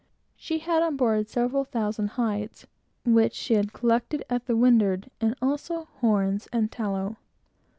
She had, on board, seven thousand hides, which she had collected at the windward, and also horns and tallow.